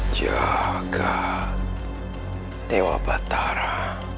jaga dewa batara